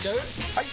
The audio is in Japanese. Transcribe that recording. ・はい！